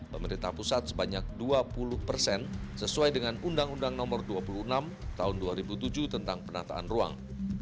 pemerintah pusat sebanyak dua puluh persen sesuai dengan undang undang nomor dua puluh enam tahun dua ribu tujuh tentang penataan ruang